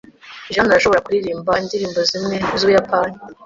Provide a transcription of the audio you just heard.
Jane arashobora kuririmba indirimbo zimwe z'Ubuyapani.